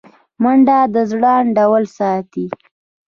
منډه د زړه انډول ساتي